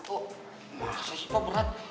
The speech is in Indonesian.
oh masa sih pak berat